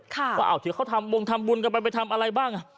ว่าเอาที่เขาทำวงธรรมบุญกันไปไปทำอะไรบ้างอ่ะ